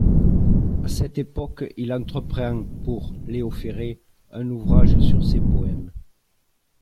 À cette époque, il entreprend pour Léo Ferré un ouvrage sur ses poèmes.